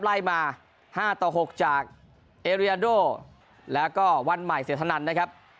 ไล่มา๕ต่อ๖จากเอเรียโดแล้วก็วันใหม่เสียธนันนะครับ